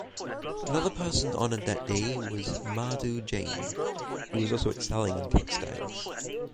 Another person honoured that day was Madhu Jain who was also excelling in textiles.